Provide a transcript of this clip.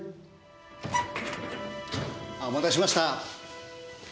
お待たせしました。